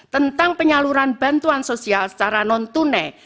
tentang penyaluran bantuan sosial secara non tunai